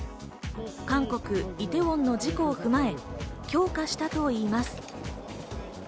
韓国イテウォンの事故を踏まえ、強化したといいます。